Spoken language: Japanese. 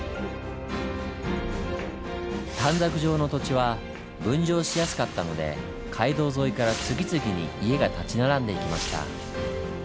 短冊状の土地は分譲しやすかったので街道沿いから次々に家が建ち並んでいきました。